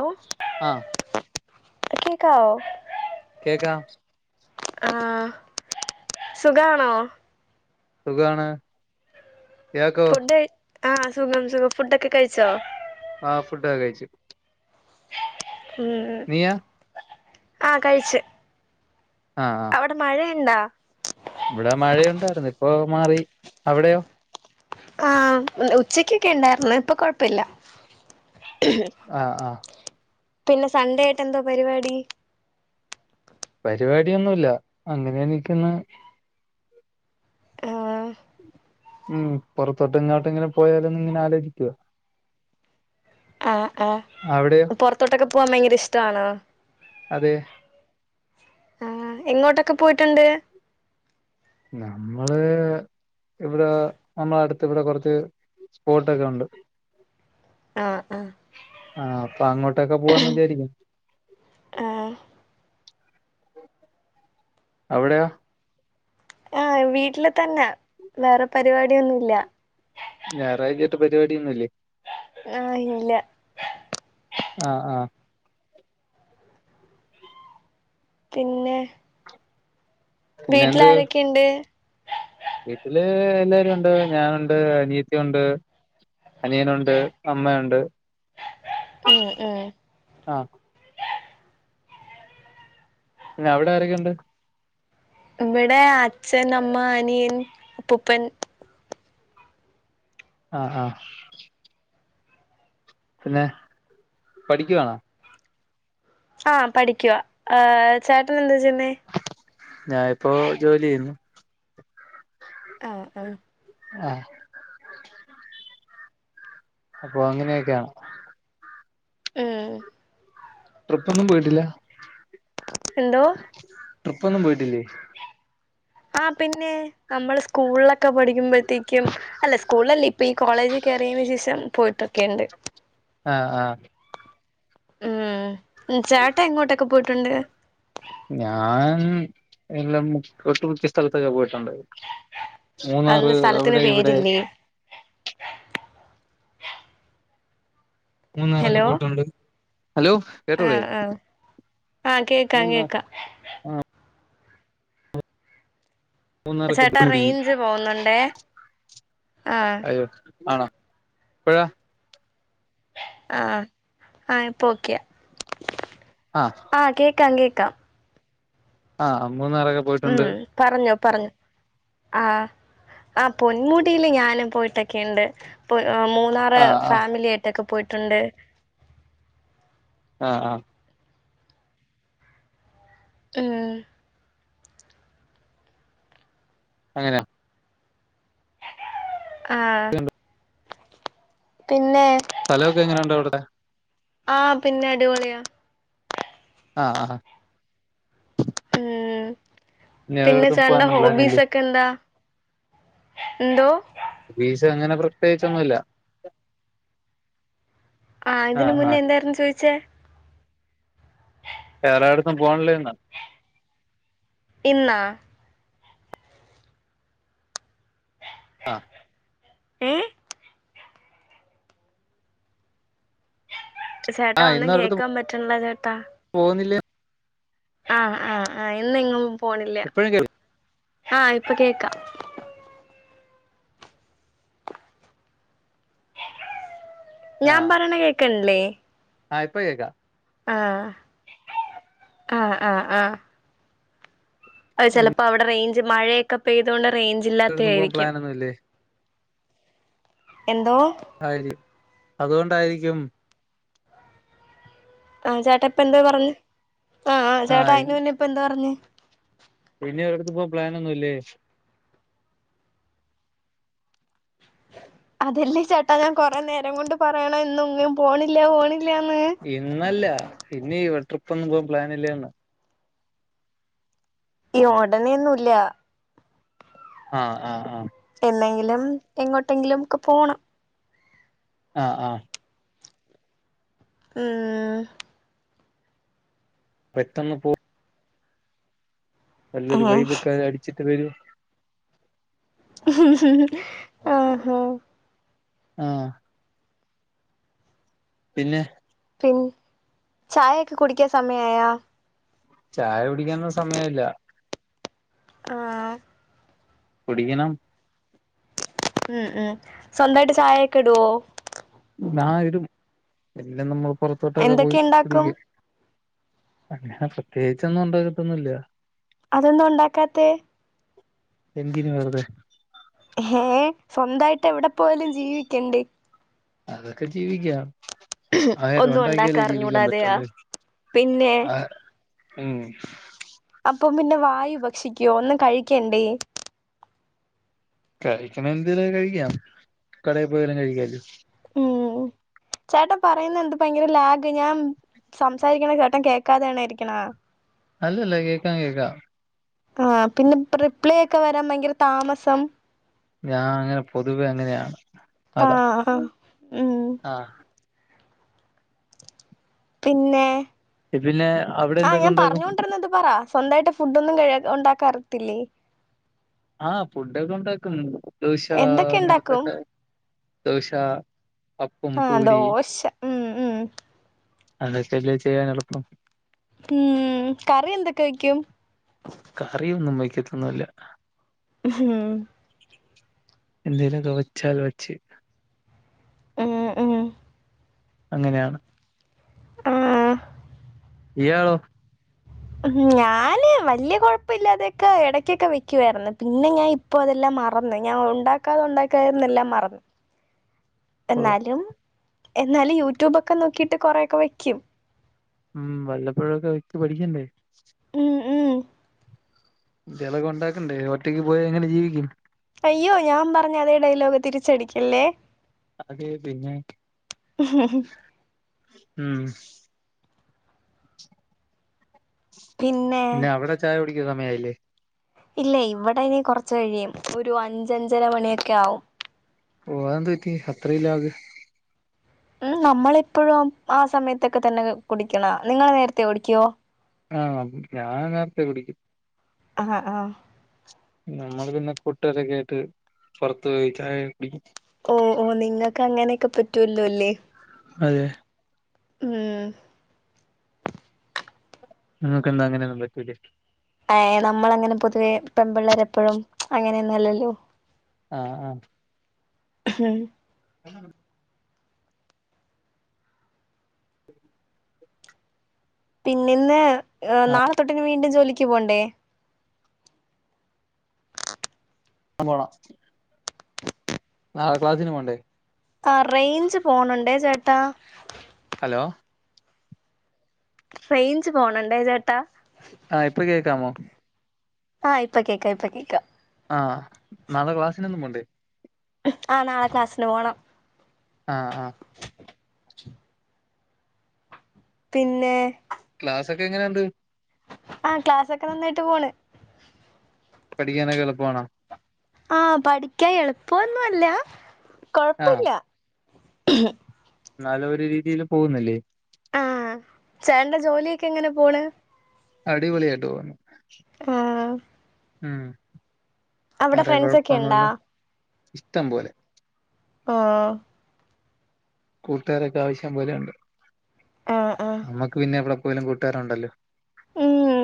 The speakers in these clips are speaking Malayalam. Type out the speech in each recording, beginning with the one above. ഓ ആ കേക്കാവോ? കേക്കാം. ആ സുഖാണോ? സുഖാണ് ങ്ങക്കോ? ആഹ സുഖം സുഖം ഫുഡൊക്കെ കഴിച്ചോ? ആഹ് ഫുഡൊക്കെ കഴിച്ചു ഉ നീയാ ആഹ കഴിച്ച് ആഹ് ആഹ് അവിടെ മഴ ഇട ഇവിടെ മഴയുണ്ടായിരുന്നു ഇപ്പൊ മാറി അവിടെയോ? ആ് ഉച്ചക്കൊക്കെ ഇണ്ടായിരുന്നു. ഇപ്പൊ കൊഴപ്പില്ല. ആ ആ പിന്നെ സൺണ്ടേ ആയിട്ട് എന്താ പരിപാടി? പരിപാടിയൊന്നുമല്ല. അങ്ങനെയനിക്കൊന്ന്. ആഹ ഉം പുറത്തോട്ട് ഇങ്ങോട്ട ഇങ്ങനെ പോയാലന്ന് ഇങ്ങനെ ആലോചിക്കുവ ആഹ ആഹ് പൊറത്തോട്ടൊക്കെ പോവാൻ ഭയങ്കര ഇഷ്ടമാണോ? അതെ. ആഹ എങ്ങോട്ടൊക്കെ പോയിട്ടുണ്ട്. നമ്മള്. ഇവിടെ നമ്മുടെ അടുത്ത് ഇവിടെ കുറച്ച് സ്പോട്ടൊക്കെ ഉണ്ട്. ആഹ ആഹ അപ്പൊ അങ്ങോട്ടൊക്കെ പോവാന്ന് വിചാരിക്കും. ആഹ് അവിടെയാ. ആഹ വീട്ടില് തന്നെ വേറെ പരിപാടിയൊന്നുംല്ല. ഞായറഴ്ച്ചയ്ട്ട് പരിപാടിയൊന്നുല്ലേ? ആ ഇല്ല ആഹ ആഹ പിന്നെ പിന്നെ വീട്ടിൽ എന്ത് ആരക്കെണ്ട്? വീട്ടില് എല്ലാരും ഉണ്ട് ഞാനുണ്ട്. അനീത്തി ഉണ്ട്. അനിയനുണ്ട് അമ്മയുണ്ട്. ഉം ഉം ആഹ് പിന്നെ അവിടെ ആരൊക്കെ ഉണ്ട്? ഇവിടെ അച്ഛൻ, അമ്മ, അനിയൻ, അപ്പൂപ്പൻ, ആഹ ആഹ പിന്നെ പഠിക്കുവാണോ? ആഹ പഠിക്കുക. ചേട്ടന് എന്താെച്ചൊയിണ് ഞാനിപ്പോ ജോലി ചെയ്യുന്നു. ആഹ ആഹ ആഹ അപ്പൊ അങ്ങനെയൊക്കെയാണ്. ഉം ട്രിപ്പ് ഒന്നും പോയിട്ടില്ല. എന്തോ? ട്രിപ്പ്‌ ഒന്നും പോയിട്ടില്ലേ? ആ പിന്നെ നമ്മള് സ്കൂള്ലൊക്കെ പഠിക്കുമ്പോതെ തെകും അല്ല സ്കൂളല്ല ഇപ്പ ഈ കോളേജ് കേയറിന് ശേഷം പോയിട്ടൊക്കെണ്ട്. ആഹ ആഹ ഉം ചേട്ടാ എങ്ങോട്ടൊക്കെ പോയിട്ടുണ്ട്. ഞാൻ എല്ലാം ഒട്ടുമുഖ്യ സ്ഥലത്തക്കെ പോയിട്ട്ണ്ട് മൂന്നാറ് അന്ന് സ്ഥലത്തിന് അവിടെ ഇവിടെ പേരില്ലേ മൂന്നറൊക്കെ ഹലോ പോയിട്ടുണ്ട്. ഹലോ കേട്ടോളേ ആഹ് ആഹ് ആഹ് കേക്കാം മൂന്നോർ കേക്കാം ആ മൂന്നാറൊക്കെ ചേട്ടാ പോയോടീ റേഞ്ച് പോകുന്നുണ്ടേ ആഹ് അയോ ആണോ എപ്പോഴാ ആഹ ആഹ ഇപ്പൊ ഓക്കെയ ആ ആഹ് കേക്കാം കേക്കാം ആഹ മൂന്നറ്‌രൊക്കെ പോയിട്ടുണ്ട് പറഞ്ഞു ആ ആ പൊന്മുടിൽ ഞാനും പോയിട്ടൊക്കെുണ്ട് പോ ആാാ മൂന്നാറ് ആ ആ ഫാമിലിായിട്ടൊക്കെ പോയിട്ടുണ്ട് ആഹ ആഹ് ഉം അങ്ങനാ ആഹ പിന്നെ സ്ഥലൊക്കെ എങ്ങനെയുണ്ട അവിടെ ആഹ പിന്നെ അടിപൊളിയാ ആഹ ആ ഉം ഇനി പിന്നെ ഒരിടത്തും ചേട്ടന്റെ പോകാനൊന്നും പ്ലാനില്ലേ ഹോബീസ് ഒക്കെ എന്താ എന്തോ മിശ അങ്ങനെ പ്രത്യേകിച്ചൊന്നുല്ല ആഹ് ഇതിനന് മുന്നേ എന്തായിരുന്നു ചോദിച്ചേ വേറടെത്തും പോണില്ലേന് ഇന്ന് ആഹ് ഉം ആ ചേട്ടാ ഒന്നും ഇന്നൊരിടത്ത് കേക്കാൻ പറ്റണില്ല ചേട്ടാ പോകുന്നില്ലേ ആഹ് ആഹ് ആഹ് ഇന് എങ്ങും പോണില്ല ഇപ്പോഴും കേൾ ആഹ് ഇപ്പൊ കേക്കാം ഞാൻ പറണ കേക്കണില്ലേ ആയ്പ്പോ കേക്ക ആഹ് ആഹ് ആഹ് ആഹ് അ ചെലപ്പോ അവിടെ റേഞ്ച് മഴയൊക്കെ പെയ്ത കൊണ്ട് റേഞ്ച് ഇല്ലാത്ത ഒരിടത്തും പോകാൻ ആയിരിക്കും പ്ലാനൊന്നും ഇല്ലേ എന്തോ ആയിരിക്കും അതുകൊണ്ടായിരിക്കും ആഹ് ചേട്ട ഇപ്പ എന്താ പറഞ്ഞു ആഹ് ആ ചേട്ടാ അയ്ന് മുന്നെ ഇപ്പ എന്താ പറഞ്ഞ പിന്നെ ഒരടുത്ത് പോവാൻ പ്ലാൻ ഒന്നുംല്ലേ അതെല്ലേ ചേട്ടാ ഞാൻ കൊറെേ നേരം കൊണ്ട് പറയണം ഇന്നൊങ്ങും പോണില്ല പോണ് ഇന്നല്ല ഇന്നീ ട്രിപ്പ് ഒന്നും പോവാൻ പ്ലാൻ ഇല്ലേന്ന് ഈ ഉടനെൊന്നുംല്ല ആഹ് ആഹ് ആഹ് എന്നെങ്കിലും എങ്ങോട്ടെങ്കിലുംക്ക പോണം ആഹ് ആഹ് ഉം പെട്ടെന്ന് പോ നല്ലൊരു ഏഹ് വൈബൊകെ അടിച്ചിട്ട് വരു ആഹ് ആഹ് പിന്നെ പി ചായ ഒക്കെ കുടിക്കാ സമയായാ ചായ കൂടിക്കാനൊന്നും സമയയായില്ല ആഹ് കുടിക്കണം ഉം ഉം സ്വന്തമായിട്ട് ചായയൊക്കെ ഇടുവോ ആ ഇടും പിന്നെ നമ്മൾ പുറത്തോട്ടൊക്കെ എന്തൊക്കെ പോയിട്ടു ഇണ്ടാക്കും കുടിക്കും അങ്ങനെ പ്രത്യേകിച്ചൊന്നും ഉണ്ടാക്കത്തൊന്നില്ല അതൊന്താ ഉണ്ടാക്കാത്തത് എന്തിനു വെറുതെ ഏ സ്വന്തായിട്ട് എവിടെ പോയാലും ജീവിക്കണ്ടേ അതൊക്കെ ജീവിക്കാം ആഹാരം ഒന്നും ഉണ്ടാക്കിയാലേ ഉണ്ടാക്കാൻ ജീവിക്കാൻ അറിഞ്ഞൂടാതെയാ പറ്റുള്ളൂ പിന്നെ ആ ഉം അപ്പൊ പിന്നെ വായു ഭക്ഷിക്കുവോ ഒന്നും കഴിക്കണ്ടേ കഴിക്കണം എന്തേല കഴിക്കാം കടയിൽ പോയാലും കഴിക്കോലോ ഉം ചേട്ടാ പറയുന്ന എന്ത് ഭയങ്കര ലാഗ് ഞാൻ സംസാരിക്കണ കേട്ടും കേക്കാതെണൊയിരിക്കണാ അല്ലല്ല കേക്കാൻ കേൾക്കാം ആഹ് പിന്നെ റിപ്ലേ ഒക്കെ വരാൻ ഭയങ്കര താമസം ഞാൻ അങ്ങനെ പൊതുവെ എങ്ങനെയാണ് അതാ ആഹ് ഉം ആ പിന്നെ പിന്നെ അവിടെ ആ എന്തൊക്കെ ഞാൻ ഉണ്ടാക്കും പറഞ്ഞോൊണ്ടിരന്ന ഇത് പറ സ്വന്തമായിട്ട് ഫുഡ് ഒന്നും കഴ ഉണ്ടാക്കാറിയത്തില്ലേ ആഹ് ഫുഡൊക്കെ ഉണ്ടാക്കും ദോശ എന്തൊക്കെ ഉണ്ടാക്കും ങ്ങനത്തൊക്കെ ദോശ അപ്പം ആഹ് പൂരി ദോശ ഉം ഉം അതക്കല്ലെ ചെയ്യാൻ എളുപ്പം ഉം കറി എന്തൊക്കെ വെയ്ക്കും? കറിയൊന്നും വയ്ക്കത്തൊന്നുല്ല ഹ്മ്മ് എന്തേലുക്കെ വെച്ചാൽ വച്ച് ഉം ഉ അങ്ങനെയാണ് ആഹ ഇയാളോ ഉ ഞാന് വല്യയ കൊഴപ്പല്ലാതെക്കെ ഇടക്കൊക്കെ വെക്കുവായിന്ന് പിന്നെ ഞാൻ ഇപ്പോൊ അതെല്ലാം മറന്ന് ഞാൻ ഉണ്ടാക്കാതെ ഉണ്ടാക്കാതിരുന്നെല്ലാം മറന്ന് കൊള്ളാം എന്നാലും എന്നാലും യൂട്യൂബ ഒക്കെ നോക്കിട്ട് കൊറെയൊക്കെ വെക്കും ഉം വല്ലപ്പോഴൊക്കെ വെക്ക് പഠിക്കണ്ടേ ഉം, ഉം. ചിലപ്പോ ഉണ്ടാക്കണ്ടേ ഒറ്റക്ക് പോയ എങ്ങനെ ജീവിക്കും അയ്യോ ഞാൻ പറഞ്ഞ അതേ ഡൈലോഗ് തിരിച്ചടിക്കല്ലേ അതെ പിന്നെ ഉം പിന്നെ അവിടെ ചായ കുടിക്കുന്ന സമയായില്ലേ ഇല്ല ഇവിടെ ഇന കൊറച്ച് കഴിയും ഒരു അഞ്ചഞ്ചര മണിയൊക്കെ ആവും ഓ അതെന്ത പറ്റി അത്രീമ് ല്ലാക്? ഉം നമ്മളെപ്പോഴും ആ സമയത്തൊക്കെ തന്നെ കുടിക്കണേ നിങ്ങള് നേരത്തെ കുടിക്കോ? ആഹ ഞാൻ നേരത്തെ കുടിക്കും ആഹ് ആഹ നമ്മള് പിന്നെ കട്ടുകാരൊക്കെ ആയിട്ട് പുറത്ത് പോയി ചായ കുടിക്കും ഓ ഓ നിങ്ങൾക്ക് അങ്ങനെയൊക്കെ പറ്റൂല്ലോല്ലേ അതെ ഉം നിങ്ങക്ക് എന്താ അങ്ങനെന്നും പറ്റൂലെ ഏ നമ്മള അങ്ങനെ പൊതുവെ പെൺപിള്ളേരെപ്പോഴും അങ്ങനെൊന്നല്ലല്ലോ ആഹ ആഹ ഉം അ പിന്ന ഇന്ന് നാളെത്തൊട്ട് ഇനി വീണ്ടും ജോലിക്ക് പോണ്ടേ? ആ പോണം നാളെ ക്ലാസിന് പോണ്ടേ ആ റേഞ്ച് പോണുണ്ടേ ചേട്ടാ ഹലോ റെയിഞ്ച് പോണ്ണ്ണ്ടെ ചേട്ടാ ആഹ ഇപ്പൊ കേക്കാമോ ആഹ ഇപ്പൊ കേക്ക ഇപ്പൊ കേക്ക ആ നാളെ ക്ലാസ്സിനൊന്നും പോണ്ടേ ആഹ് നാളെ ക്ലാസ്സിന് പോണം ആഹ് ആഹ് ശ പിന്നെ ക്ലാസൊക്കെ എങ്ങനെണ്ട് ആഹ ക്ലാസ്സൊക്കെ നന്നായിട്ട് പോണ് പഠിക്കാനൊക്കെ എളപ്പണോ ആഹ പഠിക്കാന് എളുപ്പൊന്നോല്ല കൊഴപ്പില്ല ഉ എന്നാലൊരു രീതിൽ പോകുന്നില്ലേ ചേന്റെ ജോലിയൊക്കഎങ്ങനെ പോണ് [inaudible] അടിപൊളിയായിട്ട് ഓകുന്നു ആഹ് ഉം.. വറെ ഫ്രണ്ട്സൊക്കെ കൊഴപ്പന്നല്ല ഇണ്ടാ ഇഷ്ടം പോലെ ആ.. കൂട്ടുകാരൊക്കെ ആവശ്യം പോലെയണ്ട്. ആഹ് ആഹ് നമ്മുക്ക് പിന്നെ ഇവിടെ പോലും കൂട്ടുകാറണ്ടല്ലോ [inaudible] ഉം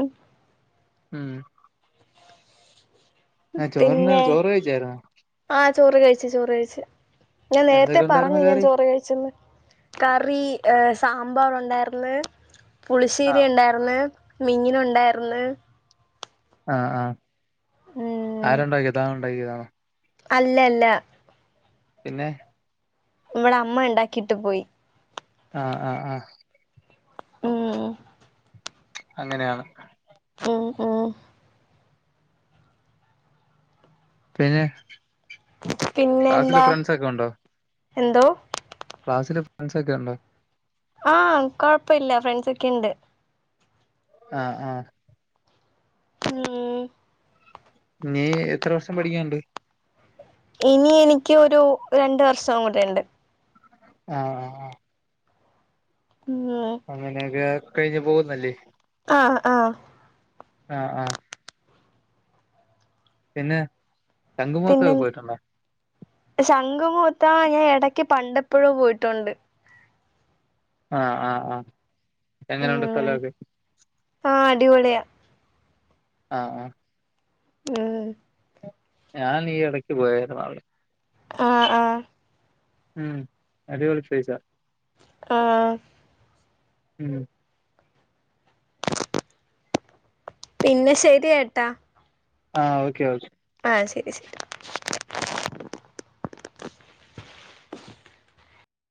ഊമ് ആ ചോറിന്ന് ചോറ് വയ് ചാരുന്നു ആചോറ് കഴിച്ച് ചോറ് കഴിച്ച് ഞാൻ നേരത്തെ എന്തൊക്കെ ഉണ്ടായിരുന്നു പറഞ്ഞു ഞാൻ കറി ചോറ് കഴിച്ചന്ന് കറി ഏ,. സാമ്പാറണ്ട് ണ്ടാർന്ന് പുളിശ്ശേരി ആഹ് ഉണ്ടാർന്ന് മീനുണ്ടാർന്ന് [inaudible] ആ.. ആ ആരുണ്ടാക്യയെ തനുണ്ടാക്കിയതാണോ. അല്ലയല്ല പിന്നെ? നമ്മളെ അമ്മ ഉണ്ടാക്കിട്ട് പോയി ആ. ആ.. ആഹ് ഊം.. അങ്ങനെആണ് അ ആ പിന്നെ.. പിന്നെ ക്ലാസിലെ എന്താ ഫ്രണ്ട്സൊക്കെ ഉണ്ടോ എന്തോ? ക്ലാസ്സില് ഫ്രണ്ട്സൊക്കെയു ണ്ടോ. ആആ കൊഴപ്പില്ല ഫ്രണ്ട്സൊക്കെ യുണ്ട് ആ ആ ഊമ് നീ എത്ര വർഷം പഠിക്യാണ്ട് ഇനി എനിക്ക് ഒരു രണ്ട് വർഷം കൂടിയുണ്ട് ആ ആ ആ ഉം അങ്ങനെയൊക്കെ കഴിഞ്ഞ് പോകുന്നല്ലേ.. അ ആ ആ ആ പിന്നെ? പിന്നെ ശംഖുമുഖത്തൊക്കെ പോയിട്ടുണ്ടോ സംഘമ [unintelligible] ാ [inaudible] ഞാൻ ഇടക്ക് പണ്ടെപ്പോഴോ പോയിട്ടുണ്ട് ആ.. ആ.. ആ.. എങ്ങനുണ്ട് ഉം സ്ഥലൊക്കെ? ആ അടിപൊളിയാ അ അ [unintelligible] ഞാൻ ഈ ഇടയ്ക്ക് പോയാരുന്നു അവിടെ. ആആ ഉം അടിപൊളി സ്പെയ്സാ. ആആ... ഉം പിന്നെ ശരിയേട്ടാ. ആ.. ഓക്കെയൊക്കെ. ആ ശരി ശരി. [inaudible]